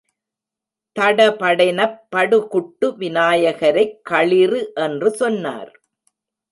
தடபடெனப் படு குட்டு விநாயகரைக் களிறு என்று சொன்னார்.